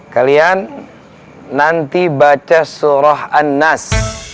kalian nanti baca surah an nas